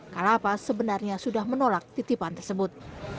kalapas sebenarnya sudah menolak titipan tersebut